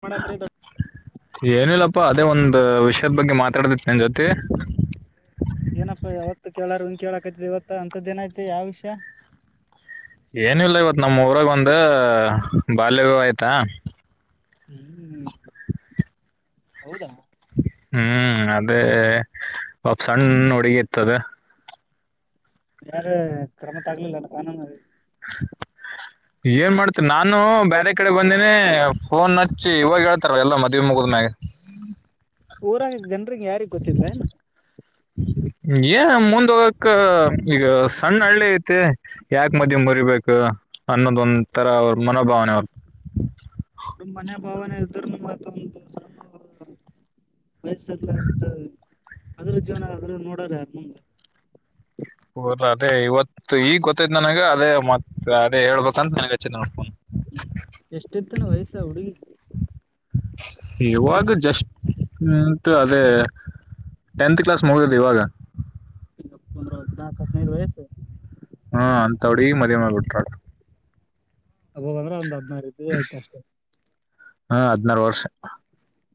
ನಾವ ರಾತ್ರಿ ದೊಸ್ತ ಅಪ್ಪ ಅದೇ ಒಂದ ವಿಷಯದ ಬಗ್ಗೆ ಮಾತಾಡತಿತಿ ನನ್ ಜೊತೆ ಏನಪ್ಪಾ ಯಾವತ್ತು ಕೇಳಾರ ಹನ ಕೇಳಕತ ಇವತ್ತ ಅಂಂತದ ಏನಐತಿ ಯಾವ ವಿಷಯ ಏನ ಇಲ್ಲ ಇವತ ನಮೂರಾಗ ಒಂದ ಬಾಲ್ಯ ವಿವಾಹ ಆಯ್ತಾ ಹ್ಮ ಹೌದಾ ಹ್ಮ್ ಅದೇ ಪಾಪ ಸಣ್ಣ ಹುಡುಗಿ ಇತದ ಯಾರು ಕ್ರಮ ತ ಆಗಲಿಲ್ಲಲ್ಲ ಕಾನೂ [inaudible] ಏನ ಮಾಡ್ತಿ ನಾನು ಬೇರೆ ಕಡೆ ಬಂದೇನೆ ಫೋನ್ ಹಚ್ಚಿ ಇವಾಗ ಹೇಳ್ತಾರ ಎಲ್ಲ ಮದುವೆ ಮುಗ ಹ ನ ಊರಾಗ ಜನ್ಗ್ ಯಾರಿಗ್ ಗೊತ್ತ್ಲ ಏನ ಏ ಮುಂದ್ ಹೋಗಕ್ಕ ಈಗ ಸಣ್ಣ ಹಳ್ಳಿ ಐತೆ ಯಾಕ ಮದ ಮುರಿಬೇಕ ಅನ್ನೋದ ಒಂದ ತರ ಅವ್ರ ಮನೋಭಾವನೆ ಅವರು ನ ಮನೆ ಭಾವನೆ ಇದರುನು ಮತ್ ಒಂದು ಸಣ್ಣ ವಯಸ್ಸಲ್ಲ ಇರ್ತ ಅದ್ರ ಜೀವನ ಆದದ್ರ ನೋಡ್ರ ಯಾರ ನಂಗ ಹರ ಅದೇ ಇವತ್ತು ಈಗ್ ಗೊತ್ತೈ್ ನನಗ ಅದೇ ಮತ್ತತ್ ಅದೇ ಹೇಳ್ಬೇಕಂತ ನನ್ಗ್ ಹಚ್ಚಿದ ನೋಡ್ ಫೋನ್ ಎಷ್ಟೆತ್ತನ ವಯಸ್ಸ ಹುಡುಗಿ ಇವಾಗ ಜಸ್ಟ್ಂತು ಅದೇ ಟೆಂತ್ ಕ್ಲಾಸ್ ಮುಗೋದು ಇವಾಗ ಅದ್ನಾಕ್ ಅನೈದ್ ವಯ್ಸು ತೋಡಿ ಮದುವೆ ಮಾಡ್ಬಿಟ್ರು ಹಬ್ಬಂದ್ರ ಒಂದ್ ಹದ್ನಾರ ಆಯ್ತ ಅಷ್ಟೇ ಹಾ ಹದಿನಾರು ವರ್ಷ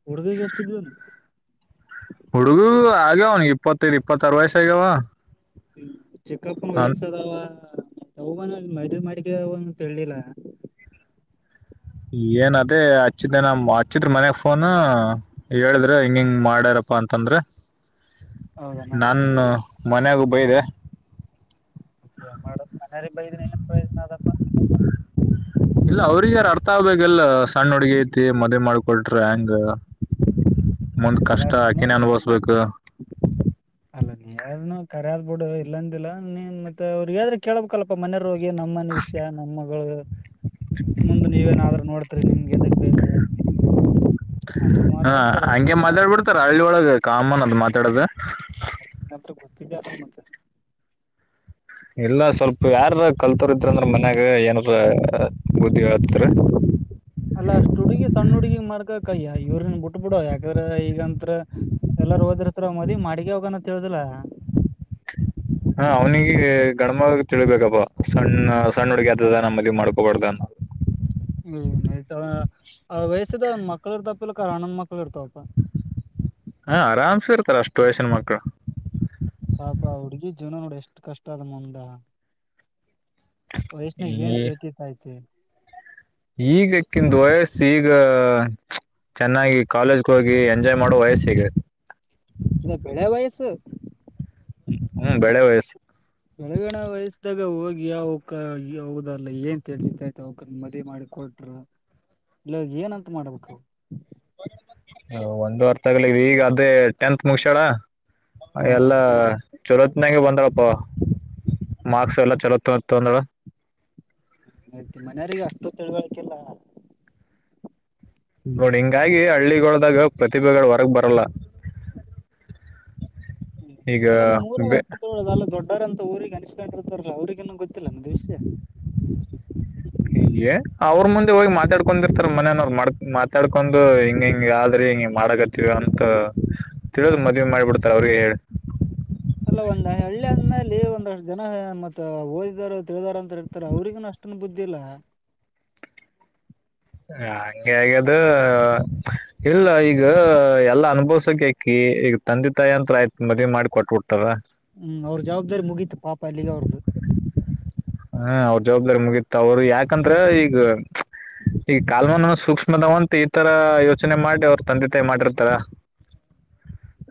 ಹುಡ್ಗಗೆ ಎಷ್ಟ ಇದ್ರುಲ್ಲ ಹುಡುಗು ಆಗ್ಯಾವನ್ಗೆ ಇಪ್ಪತ್ತೈದು ಇಪ್ಪತ್ತಾರ ವಯಸ್ಸ ಆಗ್ಯಾವ ಚಿಕ್ಕಪ್ಪ ಅನ್ ವಯಸ್ ಅದಾವ ಅವನು ಮದ್ವೆ ಮಾಡಿಕ ಅವನು ತಿಳ್ಲಿಲ್ಲ ಏನ ಅದೇ ಹಚ್ಚಿದ ನ ಹಚ್ಚಿದ್ರ ಮನ್ಗ್ ಫೋನ್ ಹೇಳಿದ್ರ ಹಿಂಗ ಹಿಂಗ್ ಮಾಡ್ಯಾರ [unintelligible] ಅಂತಂದ್ರೆ ಹೌದನ. ನಾನು ಮನೆಗ ಬೈದೆ ಹೆನ್ ಮಾಡೋದು ಮನೆಯವರಿಗೆ ಬೈದರೆ ಏನ್ ಪ್ರಯೋಜನ ಅ ಆದಪ್ಪಾ ಇಲ್ಲ ಅವ್ರಗ ಯಾರು ಅರ್ಥ ಆಗ್ಬೇಕಲ್ಲ ಸಣ್ಣ ಹುಡ್ಗಿ ಐತಿ ಮದುವೆ ಮಾಡ್ಕೊಟ್ರ ಹೆಂಗ ಮುಂದ್ ಅಲ್ಲಾ ಕಷ್ಟ ಸುಮ್ಮ ಆಕೆನ್ ಅನ್ಭವಸ್ಬೇಕು ಅಲ್ಲ ನೀ ಯ್ನು ಕರೆ ಆದ್ಬ ಬಿಡು ಇಲ್ಲಂದಿಲ್ಲ ನೀನ್ ಮತ್ತೆ ಅವ್ರಗದ್ರೆ ಕೇಳ್ಬೇಕಲ್ಪ್ಪ ಮನ ರೋಗಿ ನಮ್ಮನ ವಿಷ್ಯ ನಮ್ಮಗಳು ಮುಂದ ನೀವೇನಾದ್ರೂ ನೋಡ್ತರಿ ನಿಮ್ಗೆ ಎದಗ್ ಬೇಕು ಹಾ ಹಂಗೆ ಮಾತಾಡ್ ಬಿಡ್ತಾರ ಹಳ್ಳಿ ಒಳಗೆ ಕಾಮನ್ ಕೆಡದ ಕಿದ್ದತಲ್ಲ ಮತ್ತೆ ಇಲ್ಲ ಸ್ವಲ್ಪ ಯಾರ ಕಲ್ತೋರ್ ಇದ್ರ ಅಂದ್ರ ಮನ್ಯಾಗ ಏನಾರ ಬುದ್ಧಿ ಹತ್ತರಿ ಅಕ್ಕ ಇವ್ರನ್ ಬಿಟ್ ಬಿಡ ಯಾಕದ್ರ ಈಗಂತ್ರ ಎಲ್ಲಾರ ಹೋದಿರ್ತ್ರ ಮದಿ ಮಾಡಗ ಹೋಗ ಅಂತ ಹೇಳೇಳುದಿಲ್ಲಾ ಹಾ [inaudible] ಹಾ ಅವ್ನಿಗೆ ಗಣಮ ತಿಳಳ್ಬೇಕಪ್ಪ ಸಣ್ಣ ಸಣ್ಣ ಹುಡುಗಿ ಆದದ ನಮ್ಮ ಮದ ಮಾಡ್ಕೋಡ್ದ ಅನ್ನೋ [inaudible] ಹ್ಮ್ತ ವಯಸ್ಸದ ಮಕ್ಕಳು ಇರ್ತಪ ಇಲ್ಲ ಅಣ್ಣ ದ ಮಕ್ಕಳು ಇರ್ತಾವಪ ಹ ಆರಾಮ್ಸ ಇರ್ತಾರ ಅಷ್ಟು ವಯಸಿನ ಮಕ್ಕಳು ಪಾಪ ಹುಡ್ಗಿ ಜೀವನ ನೋಡಿ ಎಷ್ಟ್ ಕಷ್ಟ ಅದ ಮುಂದ ವಯಷ್ಣಾಗ ಏನ್ ತಿಳ್ತಿರ್ತ ತಿ ಈಗಕ್ಕಿಂದು ವಯಸ್ಸಿ ಈಗ ಚೆನ್ನಾಗಿ ಕಾಲೇಜ್ಗೆ ಹೋಗಿ ಎಂಜಾಯ್ ಮಾಡುವ ವಯಸ್ಸ ಸಿಗದೆ ಇ ಬೆಳೆ ವಯಸ್ಸು ಹ್ಮ್ ಬೆಳೆ [unintelligible] ವಯಸ್ಸು ವಯಸ್ತ ಈಗ ಹೋಗಿ ಯಾವಕ್ಕ ಹೋಗದಾರಲ್ಲ ಏನ್ಳ್ತತೈತೆ ಅವಕ ಮದುವವಿ ಮಾಡಿ ಕೊಟ್ರ ಇಲ್ಲ ಏನಂತ ಮಾಡ್ಬೇಕು ಒಂದು ಅರ್ತಗಳ ಈಗ ಅದೇ ಟೆಂತ್ ಮುಗಿಸಾಳ ಹಾ ಎಲ್ಲಾ ಚೊರತ್ತಿನಂಗೆ ಬಂದ್ರಪ್ಪ ಮಾರ್ಕ್ಸ್ ಎಲ್ಲ ಚಲೋ ತ ತಗೊಂಡೋಳೆ ಹ ಆಯ್ತ್ ಮನೆಯವರಿಗೆ ಅಷ್ಟು ತಿಳ್ವಳಿಕಲ್ಲ ನೋಡಿ ಹಿಂಗಾಗಿ ಹಳ್ಳಿಗಳೊಳದಾಗ ಪ್ರತಿಭೆಗಳು ಹೊರಗ್ ಬರಲ್ಲ ಈಗ ಅಲ್ಲ ನಿಮ್ ಊರಾಗ ಅಷ್ಟು ತೋಳೋ ಅಲ್ಲ ದೊಡ್ಡರ ಅಂತ ಊರಿಗೆ ಅನ್ಸಸ್ಕೊಂಡಿರ್ತವಾರ ಅವ್ರಿಗೆ ನ ಗೊತ್ತಿಲ್ಲ ನ ದ ವಿಷ್ಯ ಹಗೆ ಅವ್ರ ಮುಂದೆ ಹೋಗಿ ಮಾತಾಡ್ಕೊಂಡಿರ್ತಾರ ಮನನವರು ಮಾಡ ಮಾತಾಡ್ಕೊಂಡು ಹಿಂಗ ಹಿಂಗಗೆ ಆದ್ರಿ ಹ ಮಾಡಕತ್ತವ ಅಂತ ತಿಳಿದ್ ಮದ್ವಿ ಮಾಡಿಬಿಡ್ತಾರ ಅವ್ರಿಗೆ ಹೇಳ ಅಲ್ಲ ಒಂದ ಹಳ್ಳಿ ಆದ್ಮೇಲೆ ಒಂದ್ ಜನ ಮತ್ತ ಓದಿದಾರ ತಿಳಿದಾರ ಅಂತ ಇರ್ತಾರೆ ಅವ್ರಿಗನು ಅಷ್ಟನ್ ಬುದ್ಧಿ ಇಲ್ಲ [inaudible] ಹಂಗಗೆ ಹಾಗ್ಯದ ಇಲ್ಲ ಈಗ ಎಲ್ಲಾ ಅನುಭವ್ಸಕ ಎಕ್ಕಿ ಈಗ ತಂದೆ ತಾಯಿ ಅಂತ್ರ ಆಯ್ತ ಮದವಿ ಮಾಡಿ ಕೊಟ್ಟಬಟ್ಟಾರ ಹ್ಮ್ ಅವ್ರ ಜವಾಬ್ದಾರಿ ಮುಗೀತ ಪಾಪ ಎಲ್ಲಿಗೆ ಅವ್ರ್ದು ಹ್ಮ ಅವ್ರ ಜವಾಬ್ದಾರಿ ಮುಗತ ಅವರು ಯಾಕಂದ್ರ ಈಗ ಈ ಕಾಲ್ಮನನು ಸೂಕ್ಷ್ಮದವಂತ ಈ ತರ ಯೋಚನೆ ಮಾಡಿ ಅವ್ರ ತಂದೆ ತಾಯಿ ಮಾಡಿರ್ತಾರ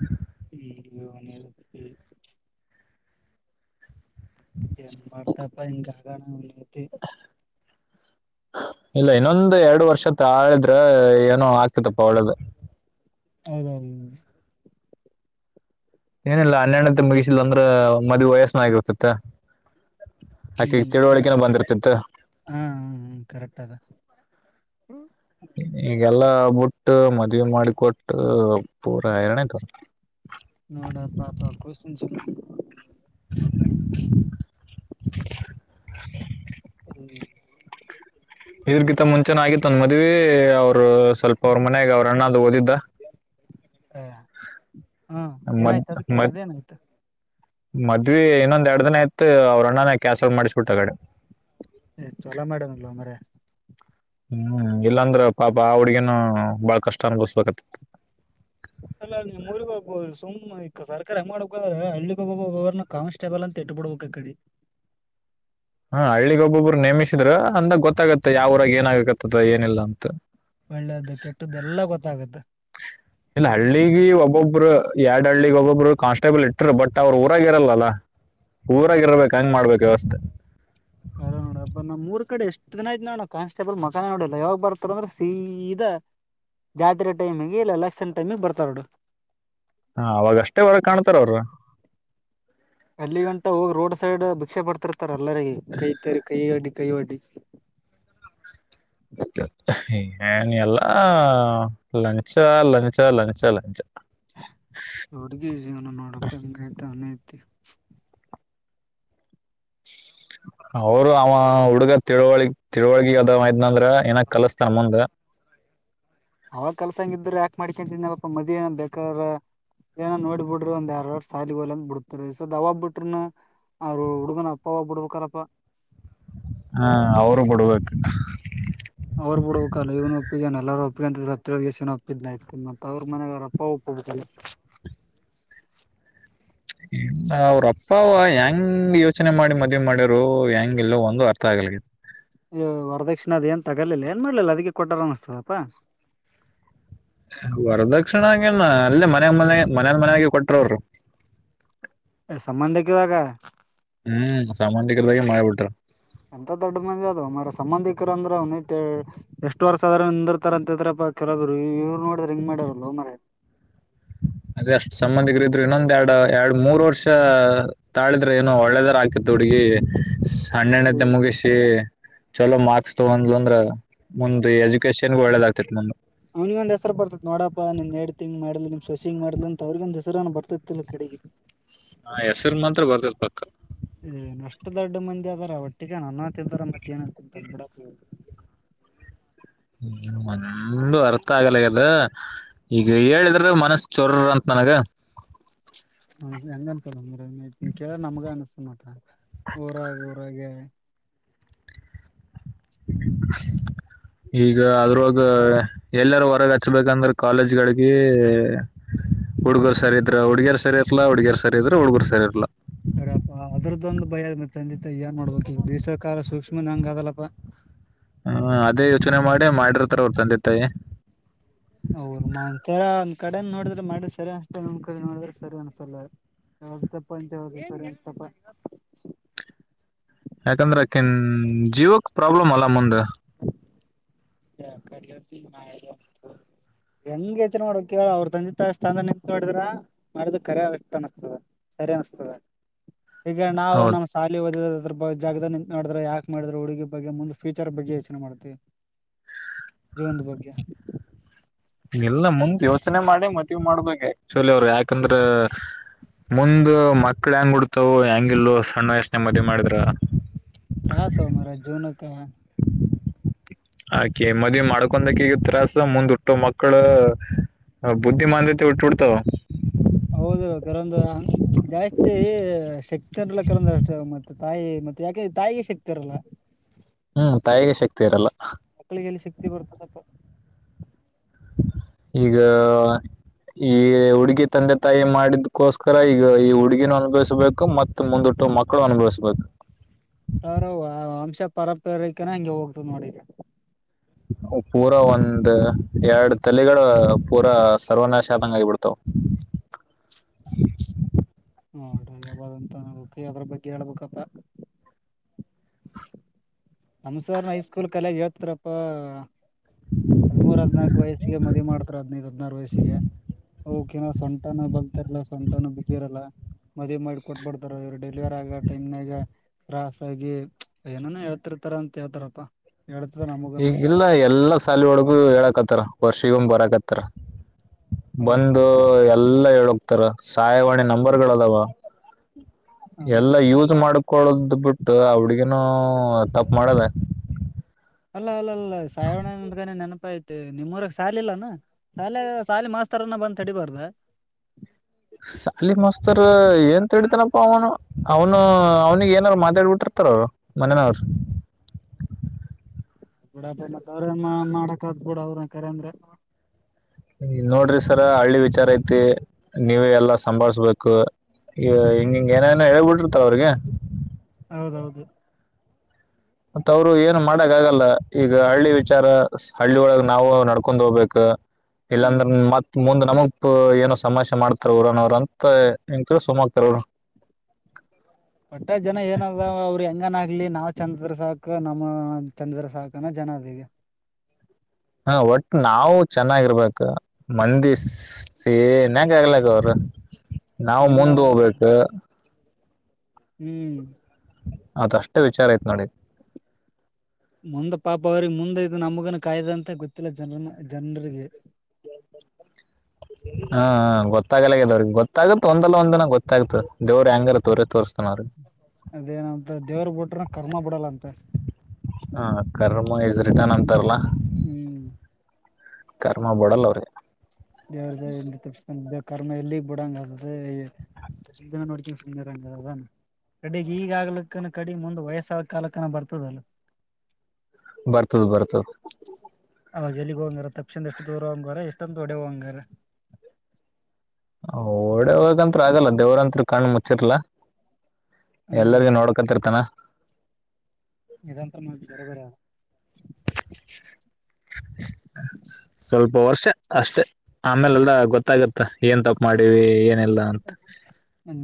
ಹ್ಮ ಹ್ಮ್ನ ನ್ ವಾರ್ತಾಪ್ಪ ಇಂಗ ಆಗಣ ಉನ್ನತೆ ಇಲ್ಲ ಇನ್ನೊಂದು ಎರಡು ವರ್ಷ ಆಳಿದ್ರ ಏನೋ ಆಗ್ತತಪ್ಪ ಒಳ್ಳ್ದ ಹೌದೌದು ಏನಿಲ್ಲ ಹನ್ನೆಣ್ಣತೆ ಮುಗಿಸಿಲ್ಲ ಅಂದ್ರ ಮದ್ುವ ವಯಸ್ಸನ ಆಗಿರ್ತತ್ತ ಹ್ಮ್ ಹಾ ಹ್ಮ್ ಹ್ಮ ಕರೆಕ್ಟ್ ಅದ ಈಗೆಲ್ಲಾ ಬಿಟ್ಟ ಮದ್ ಮಾಡಿಕೊಟ್ಟು ಪೂರ ಎನೆತರ ನೋಡಾ ಪಾಪ ಕವನ್ ಸ ಹ್ಮ್ ಇದ್ರಗಿಂತ ಮುಂಚೆನ ಆಗಿತ್ತು ಅಂದ ಮದ್ವಿ ಅವ್ರು ಸ್ವಲ್ಪ ಅವ್ರ ಮನ್ಯಾಗ ಅವ್ರ ಅಣ್ಣ ಅದು ಓದಿದ್ದ [inaudible] ಯ ಹಾ ಮದ್ ಏನಾಯ್ತು ಅದಕ್ಕೆ ಮದ್ ಅದೇನಾಯ್ತು ಮದ್ವಿ ಇನ್ನೊಂದ ಎರಡ ದನ ಆಯ್ತ ಅವ್ರಣ್ಣನ ಕ್ಯಾಾಸಲ್ ಮಾಡ್ಸಬಿಟ್ಟಗಡೆ ಚಲ ಮಾಡನಲ್ವಾ ಮರ ಹ್ಮ್ ಇಲ್ಲಾಂದ್ರೆ ಪಾಪ ಆ ಹುಡ್ಗನು ಬಾಳ ಕಷ್ಟ ಅನ್ಭಸ್ಬೇಕತಿ ಅಲ್ಲ ನಿಮ್ಮ್ಊಗ ಹೋಗ್ಬಹುದು ಸುಮ್ ಈ ಸರ್ಕಾರ ಮಾಡ್ದ್ರ ಹಳ್ಳಿಗ್ ಹೋಗ ಅವರ್ನ್ನ ಕಾನ್ಸ್ಟೇಬಲ್ ಅಂತ ತಟ್ಟುಬಡ ಒಕ್ಕಡೆ [inaudible] ಹಾ ಹಳ್ಳಿ ಒಬ್ಬೊಬ್ಬರು ನೇಮಿಸಿದ್ರ ಅಂದಾಗ ಗೊತ್ತಾಗತ್ತೆ ಯಾವರಾಗ ಏನ ಆಗಕತ್ತದ ಏನಿಲ್ಲ ಅಂತ ಒಳ್ಳೇದು ಕೆಟ್ಟದ್ದ ಎಲ್ಲ ಗೊತ್ತಾಗುತ್ತೆ ಒಬ್ರು ಎಡ್ ಹಳ್ಳಿಗ್ ಒಬ್ಬೊಬ್ಬರು ಕಾನ್ಸ್ಟೇಬಲ್ ಇಟ್ಟರು ಬಟ್ ಅವ್ರರುಊರಾಗ ಇರಲ್ಲಾ ಊರಾಗಿರ್ಬೇಕ ಹೆಂಗ್ ಮಾಡ್ಬೇಕು ವ್ಯವಸ್ಥೆ ಕರೋ ನೋಡಬ್ಬ ನಾ್ ಮೂರ್ ಕಡೆ ಎಷ್ಟು ದನ ಆಯ್ ನೋಡ ಕಾಸ್ಟೇಬಲ್ ಮಕಾನ ನೋಡಿಲ್ಲ ಯಾವಾಗ ಬರ್ತಾರ ಅಂದ್ರೆ ಸೀದಾ ಜಾತ್ರೆ ಟೈಮಿಗೆ ಇಲ್ಲ ಲಕ್ಷನ್ ಟೈಮಿಗೆ ಬರ್ತಾರೋಡು ಹಾ ಅವಾಗ ಅಷ್ಟೇವರಗೆ ಕಾಣ್ತಾರ ಅವರು ಅಲ್ಲಿ ಗಂಟ ಹೋಗಿ ರೋಡ್ ಸೈಡ್ ಭಿಕ್ಷೆ ಬಡ್ತಿರ್ತಾರ ಎಲ್ಲರಿಗೆಗ ಕೈ ತರಿ ಕೈ ಅಡಿ ಕೈವಡಿ ಏನ ಎಲ್ಲ ಲಂಚ ಲಂಚ ಲಂಚ ಲಂಚ ಅವ್ರಿಗೆ ಜೀವನ ನೋಡಪ್ಪ ಹೆಂಗೈತ [inaudible] ಅವರು ಅವ ಹುಡುಗ ತಿಳುವಳಿ ತಿಳವಳಗ ಅದ ಇದ್ನಂದ್ರ ಏನ ಕಲಸ್ತಾರ ಮುಂದ ಅವಾಗ ಕೆಲ್ಸಾಂಗ ಇದಿದ್ರ ಯಾಕಕ್ ಮಾಡ್ಕೊಂತನ್ಲ್ಪ್ಪಾ ಮ್ ಏನ ಬೇಕಾರ ಏನೋ ನೋಡ್ಬ ಬಿಡ್ರಿ ಒಂದ್ ಎರ್ ವರ್ಷ ಸಾಲಿಗೆ ಹೋಲ ಅಂದ ಬಿಡತರಿ ಸೊ ದವಾ ಬಿಟ್ರನ ಅವರು ಹುಡುಗನಪ್ಪ ಬುಡ್ಬೇಕಾರಪ್ಪ ಹಾ ಅವರು ಕೊಡ್ಬೇಕು ಅವರು ಬಿಡ್ಬೇಕಲ್ಲ ಇವನು ಒಪ್ಪಿಗೆ ಎಲ್ಲಾರ ಒಪ್ಪ ಅಂತವ ಒಪ್ಪಿದ್ನ ಮತ್ತ ಅವ್ರ ಮನಾರಪ್ಪಪ್ಪ ಕುಡ್ತ [inaudible] ಎಲ್ಲ ಅವ್ರಪ್ಪ ಯ ನಮ್ ಯೋಚನೆ ಮಾಡಿ ಮದ್ವಿ ಮಾಡ್ಯರು ಹೆಂಗ ಇಲ್ಲೋ ಒಂದು ಅರ್ಥ ಆಗಲಿಕ್ಕ ಹೊರದಕ್ಷಿಣ ಅದ್ ಏನ್ ತಗಲಿಲ್ಲ ಏನ್ ಮಾಡ್ಲಿಲ್ಲ ಅದಕ್ಕೆ ಕೊಟ್ಟಾರ ಅನಸ್ತದಪ್ಪಾ ವರದಕ್ಷಣ ಹಂಗೇನ ಅಲ್ಲೇ ಮನ ಮನೆ ಮನಲ್ ಮನ್ಯಾಗಿ ಕೊಟ್ರವರು ಸಂಬಂಧಕ್ಕಿದಾಗ ಹ್ಮ್ ಸಾಮಾನ್ಯಿಕರದಾಗೆ ಮಾಡ್ಬಿಟ್ರ ಎಂತ ದೊಡ್ಡ ಮಂದಿ ಅದು ಮ್ರ ಸಂಬಂಧಿಕರ ಅಂದ್ರ ಅವ್ನ ಎಷ್ಟು ವರ್ಷ ಆದ್ರ ನಿಂದಿರ್ತಾರಂತಿದ್ರ ಕೆಲವರು ಇವ್ರು ನೋಡ್ರ ಹೆಂಗ ಮಾಡಾರಲ್ಲ ಮರ [inaudible] ಅದ ಅಷ್ಟು ಸಂಬಂಧಿಗರ ಇದ್ರು ಇನ್ನೊಂದ ಎರಡು ಎರಡು ಮೂರ್ ವರ್ಷ ತಾಳಿದ್ರೆ ಏನೋ ಒಳ್ಳೆದರ ಆಗ್ತಿತ್ತು ಹುಡುಗಿ. ಹ ಹಣ್ಣೆಣ್ಣತ್ತ ಮುಗಿಸಿ ಚಲೋ ಮಾರ್ಕ್ಸ್ ತಗೊಂಡ್ ಅಂದ್ರ ಮುಂದ ಎಜು ಅವನಿಗೆ ಒಂದ್ ಹೆಸರು ಬರ್ತತ್ ನೋಡಪ್ಪನ್ ಹೇಡ್ತ ಮಾಡಲಲಿಮ್ ಸೊಸಿಂಗ್ ಮಾಡ್ಲ ಅಂತ ಅವ್ರಗಂದ ಹೆಸರನು ಬರ್ತತ್ತತಿಲ್ಲ ಕಡೆಗೆ ಹಾ ಹೆಸರು ಮಾತ್ರ ಬರ್ದದ ಪಕ್ಕ ಅಷ್ಟು ದೊಡ್ಡ ಮಂದಿ ಆದದಾರ ಒಟ್ಟಿಿಗೆ ನನ್ನ ಅ ತಿಂತಾರ ಮತ್ತೆ ಏನ ಅಂತ ತಿಂತಾರೆ ಬಿಡದು ಹ್ಮ ಏನು ಅರ್ಥ ಆಗಲಗದ ಈಗ ಹೇಳಿದ್ರೆ ಮನಸ್ಸ ಚೊರ್ರ ಅಂತ ಹಾಗ ಹ ಹೆಂಗ ಅನ್ಸಲ್ಲ ನ ಕೇಳ ನಮ್ಗ ಅನ್ಸ್ತನ್ ನಟ ಊರಾಗ ಊರಾಗ ಈಗ ಅದ್ರೊಗ ಎಲ್ಲರೂ ಹೊರಗೆ ಹಚ್ಬೇಕಂದ್ರೆ ಕಾಲೇಜ್ಗಳಿಗೆ ಹುಡ್ಗರು ಸರ ಇದ್ರ ಹುಡುಗ ಸರಿಇರಲ ಹುಡುಗರ್ ಸರ ಇದ್ರರು ಹುಡ್ಗರು ಸರಿ ಇರಳ ಕರಪ್ಪಾ ಅದ್ರದ್ದೊಂದಂದು ಭಯ ಆದ ಮತ್ತ ತಂದೆ ತಾಯ ಏನ್ ನೋಡ್ಬೇಕು ಈಗ ಬೀಸ ಕಾಲ ಸೂಕ್ಷ್ಮ ಹಂಗ ಅದಲ್ಲಪ್ಪ ಹ್ಮ ಅದೇ ಯೋಚನೆ ಮಾಡಿ ಮಾಡಿರರ್ತಾರ ಅವ್ರ ತಂದೆ ತಾಯಿ ಅವ್ರ ಒ ತರ ಒಂದ್ ಕಡೆ ನೋಡಿದ್ರೆ ಮಾಡ್ರ ಸರಿ ಅನ್ಸ್ತಲ್ಲ ನ್ ಕಡೆ ನೋಡ್ರ ಸರಿ ಅನ್ಸಲ್ಲ ಹೌದು ತಪ್ಪ ಅಂಂತ ಸರಿ ತಪ್ಪ ಯಾಕಂದ್ರೆ ಅಕನ್ ಜೀವಕ್ ಪ್ರಾಬ್ಲಮ್ ಅಲ್ಲ ಮುಂದ [inaudible] ಹೆಂಗ ಯಚನೆ ಮಾಡ್ಬೇಕೇಳ ಅವ್ರ್ ತಂದಿ ತ ಸ್ಥಾನ ನಿಂತದ್ರ ಮಾಡಿದ ಕರೆ ಅಷ್ಟ ಅನ್ನ್ತದೆ ಸರಿ ನಸ್ತದ [unintelligible] ಈಗ ನಾವು ಹೌದು ನಮ್ಮ್ ಶಾಲಿ ಓದಿದ ಅದ್ರ ಜಾಗದದಲ್ಲಿ ಮಾಡಿದ್ರೆ ಯಾಕೆ ಮಾಡಿದ್ರೆ ಹಡುಿ ಬಗ್ಗೆ ಮುಂದ ಫ್ಯೂಚರ್ ಬಗ್ಗೆ ಯೋಚನೆ ಮಾಡತತಿವಿ ಜೀವನ ಬಗೆ ಇಲ್ಲ ಮುಂದ್ ಯೋಚನೆ ಮಾಡಿ ಮದವಿ ಮಾಡ್ಬೇಕು ಚಲ ಅವ್ರು ಯಾಕಂದ್ರ ಮುಂದ ಮಕ್ಳ ಹೆಂಗ್ ಉಡ್ತವು ಹೆಂಗಿಲ್ಲೂ ಸಣ್ಣ ಯೋಚನೆ ಮದ ಮಾಡಿದ್ರ ತ್ರಾಸ ಮರ ಜೀವನಕೆ ಆ ಕೆೆಮ್ಮದಿ ಮಾಡ್ಕೊಕ ಈಗ ತ್ರಾಸ ಮುಂದ್ ಹಟ್ಟು ಮಕ್ಕಳ ಹ ಬುದ್ಧಿಮಾನದತಿವ ಹುಟ್ಟವೀಡ್ತವೆ ಹೌದು ಕರಂದ್ ಜಾಸ್ತಿ ಶಕ್ತಿ ಅಂದಲ್ಲ ಕರಂದ ಅಷ್ಟೇ ಮತ್ತತ್ ತಾಯಿ ಮತ್ತೆ ಯಾಕೆ ತಾಯಿಗೆ ಸಿಕ್ತಾರಲ್ಲ ಹ್ಮ್ ತಾಯಿಗೆ ಶಕ್ತಿ ಇರಲ್ಲ ಮಕ್ಕಳಿಗೆಲ್ಲಿ ಶಕ್ತಿ ಬರ್ತದೆಪ್ಪ ಈಗ ಈ ಹುಡುಗಿ ತಂದೆ ತಾಯಿ ಮಾಡಿದ್ಕೋಸ್ಕರ ಈಗ ಈ ಹುಡುಗಿನ ಅನ್ಭವಿಸ್ಬೇಕು ಮತ್ ಮುಂದ ಮಕ್ಕಳು ಅನುಭವಿಸ್ಬೇಕು ಅಂಶ ಪರಪರಕನ ಹಂಗೆ ಹೋಗ್ತದ ನೋಡಿಗೆ ಪೂರಾ ಒಂದ ಎರಡು ತಲೆಗಳ ಪೂರಾ ಸರ್ವನಾಶ ಅ ಆದಂಗ ಆಗಿಬಿಡ್ತವು [unintelligible] [inaudible] [unintelligible] ನಮ್ಸರ್ ಹೈಸ್ಕೂಲ್ ಕಲೆಗ್ ಹೇಳ್ತಾರಪ್ಪ ಹದಿ್ಮೂರ್ ಹದ್ನಾಾಲ್ಕು ವಯಸ್ಸಿಗೆ ಮದಿ ಮಾಡ್ತಾರ ಹದ್ನೈದು ಹದ್ ನಾರು ವಯಸ್ಸಿಗೆ ಓಕೆ ನ ಸೊಂಟನ ಬಲ್ತಾರಲ್ಲ ಸೊಂಟನು ಬಿಗಿರಲ್ಲ ಮದುವವಿ ಮಾಡಿ ಕೊಟ್ಬಡ್ತಾರ ಇವರು ಡೆಲಿವರಿ ಆಗ ಟೈಮ್ನಾಗ ರಾಸ ಆಗಿ ಏನನ ಹೇಳ್ತಿರ್ ಹತ್ತರ ಅಂತ ಹಳ್ತಾರಪ್ಪ ಈಗಿಲ್ಲ ಎಲ್ಲಾ ಸಾಲ ಒಳಗು ಹೇಳಕತ್ತಾರ ವರ್ಷಿಗ ಒಂದ್ ಬರಕತ್ತಾರ ಹೌದ ಬಂದು ಎಲ್ಲಾ ಹೇಳಕ್ತಾರ ಸಹಾಯವಾಣಿ ನಂಬರ್ಗಳದವಾ ಎಲ್ಲಾ ಹೌದಪ್ಪಾ ಯೂಸ್ ಮಾಡ ಕ್ಕಳದ ಬಿಟ್ಟು ಅವಡ್ಗನೂ ತಪ್ಪು ಮಾಡದ ಅಲ್ಲ ಅಲ್ಲ ಅಲ್ಲ ಸಾಯವಣಂದ್ಗ ನೆನಪ ಐತಿ ನಿಮ್ಮೂರಕ್ ಸಾಲ ಇಲ್ಲಾನ ಶಾಲೆ ಸಾಲಿ ಮಾಸ್ತ ಬಂದ್ ತಡಿಬಾರ್ದ [inaudible] ಶಾಲಿ ಮಾಸ್ತರ್ ಏಂತ ತಡಿತನಪ್ಪ ಅವನು ಅವ್ನು ಅವ್ನಿಿಗೆ ಏನಾರ ಮಾತಾಡ್ಬಿಟ್ರ ಎತ್ರ ಮನನಾರ್ ಡ್ರ ಮಾಡಕಾದಬುಡ ಅವ್ರ ಕರೆ ಅಂದ್ರೆ. ನೋಡ್ರಿ ಸರ ಹಳ್ಳಿ ವಿಚಾರ ಐತಿ ನೀವೇ ಎಲ್ಲಾ ಸಂಭಾಳ್ಸ್ಬೇಕು. ಈ ಹಿಂಗಿಂಗ ಏನ ಏನೋ ಹೇಳ್ಬಿಟ್ಟಿರ್ತಾವ ಅವ್ರಿಗೆ ಹೌದೌದು ಮತ್ತ ಅವ್ರು ಏನ್ ಮಾಡಕ್ ಆಗಲ್ಲ ಈಗ ಹಳ್ಳಿ ವಿಚಾರ ಹಳ್ಳಿ ಒಳಗ್ ನಾವು ನಡ್ಕೊಂಡ್ ಹೋಗ್ಬೇಕ. ಹೌದ ಇಲ್ಲಾಂದ್ರ ಮತ್ ಮುಂದ ನಮಗ್ ಏನೋ ಸಮೇಶೆ ಮಾಡ್ತಾರ ಊರನೋ ಅವ್ರ ಅಂತ ಹೆಂಗೇಳ ಸುಮಕ್ತಾರ ಅವರು ಪಟ್ಟ ಜನ ಏನದ ಅವ್ರ ಹೆಂಗನ್ ಇಲ್ಲಿ ನಾವ್ ಚಂದದ್ರ ಸಾಕ ನಮ್ಮ ಚಂದದ್ರ ಸಾಕನ ಜನ ಅದಗ ಹ ಒಟ್ ನಾವು ಚೆನ್ನಾಗಿರ್ಬೇಕ ಮಂದಿ ಸೇನ್ಯಾಕ ಆಗ್ಲಕ್ಕ ಅವ್ರ ನಾವು ಮುಂದ ಹೋಗ್ಬೇಕು. ಹ್ಮ್ ಅದ ಅಷ್ಟೇ ವಿಚಾರ ಆಯ್ತ ನೋಡಿ. [inaudible] ಮುಂದೆ ಪಾಪ ಅವ್ರಿಗೆ ಮುಂದೆ ಇದು ನಮಗನ ಕಾಯ್ದ ಅಂತ ಗೊತ್ತಿಲ್ಲ ಜನರನ ಜನ್ರಿಗೆ ಹಾ ಹ ಗೊತ್ ತಗಲಗದವ್ರಿಗೆ ಗೊತ್ತಾಗುತ್ತ ಒಂದಲ್ಲ ಒಂದ್ ದನ ಗೊತ್ತಾಗ್ತ ದೇವ್ರರು ಹೆಂಗಾರ ತೋರಿಸ ತೋರ್ತಾನ ಅವ್ರಿಗೆ. ಅದೇನಂತ ದೇವ್ರ ಬಿಟ್ರ ಕರ್ಮ ಬಿಡಲ್ಲ ಅಂತೆ ನಂತರಲ್ಲ ಹ್ಮ್ ಕರ್ಮ ಬಡಲ್ಲ ಅವರ್ಗ್ ದೇವರ ದಯೆಯಿಂದ ತಪ್ಪಿಸಬೇಕು ಕರ್ಮ ಎಲ್ಲಿಗ್ ಬಿಡಂಗ ಅದ [unintelligible] ನೋಡ್ಕಂಗ ಸುಂದರಂಗದ ಕಡೆಗ್ ಈಗ ಆಗ್ಲಕ್ಕನ ಕಡೆ ಮುಂದ್ ವಯಸ್ಸಾದ ಕಾಲಕ್ಕನ ಬರ್ತದಲ್ಲ. ಬರ್ತದ್ ಬರ್ತದ್ ಅವಾಗ ಎಲ್ಲಿಗ್ ಹೋಗಂಗಾರ ತಪ್ಸಿಂದ ಎಷ್ಟು ದೂರ ಹಂಗಾರ ಎಷ್ಟೊಂದ ತೊಡೆ ಹಂಗಾರೆ. ಓಡೆ ಹೋಗಂ ಆಗಲ್ಲ ದೇವ್ರಂತ್ರಿ ಕಣ ಮುಚ್ಚಿರ್ಲಾ. ಹ್ಮ್ ಎಲ್ಲರಿಗೂ ನೋಡ್ಕತಿರ್ತಾನ ಇದಂತ ಮಾಡ ಬರ ಬರ ಸ್ವಲ್ಪ ವರ್ಷ ಅಷ್ಟೆ ಆಮೇಲೆಲ್ಲ್ಲ ಗೊತ್ತಾಗತ್ತ ಏನ್ ತಪ್ ಮಾಡೀವಿ ಏನ್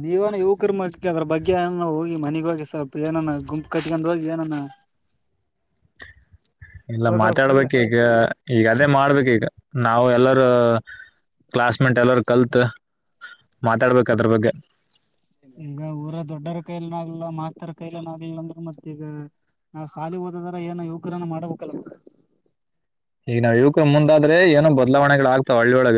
ನಿವಾನ ಯುವಕರ್ ಅದ್ರ ಬಗ್ಗೆ ಏ ಹೋಗಿ ಮನೆಗ ಹೋಗಿ ಸ್ವಲ್ಪ ಏನಾ ಗುಂಪು ಕಟ್ಕೊಂಡ್ ಹೋಗಿ ಏನಾನ. ಇಲ್ಲ ಬರ್ಬೇಕ್ರಿಲ್ಲ ಮಾತಾಡ್ಬೇಕ ಈಗ ಈಗ ಅದೇ ಮಾಡ್ಬೇಕು ಈಗ ನಾವು ಎಲ್ಲಾರ ಕ್ಲಾಸ್ ಮೇಟ್ ಎಲ್ಲಾರ ಕಲ್ತ್. ಮಾತಾಡ್ಬೇಕ ಅದ್ರ ಬಗ್ಗೆ ಈಗ ಊರ ದೊಡ್ಡರ ಕೈಯಲ್ಲಿ ನವ್ ಲ್ಲ ಮಾಸ್ತರ ಕೈಲನ್ ಆಗಲಿಲ್ಲ ಅಂದ್ರೆ ಮತ್ತ ಈಗ ನಾವ್ ಸಾಲಿ ಓದಾರ ಏನ ಯುವಕರನ್ನ ಮಾಡಬೇಕಲ್ಲ [inaudible] ಇನ್ನು ಇವಕ ಮುಂದಾದ್ರೆ ಏನನು ಬದಲಾವಣೆಗಳು ಆಗ್ತಾವ ಹಳ್ಳಿಯೊಳಗೆ.